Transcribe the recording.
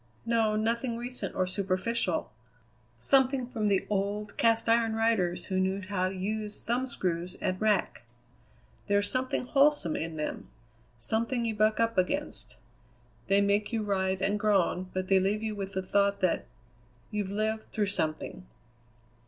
No; nothing recent or superficial. Something from the old, cast iron writers who knew how to use thumb screws and rack. There's something wholesome in them; something you buck up against. They make you writhe and groan, but they leave you with the thought that you've lived through something."